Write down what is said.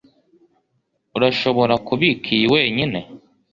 Urashobora kubika iyi wenyine.